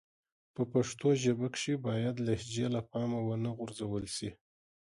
په پښتو ژبه کښي بايد لهجې له پامه و نه غورځول سي.